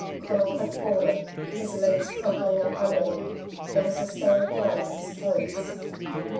Conal had fallen, his legs crumpling up under him. There was a stain of blood on his clothes.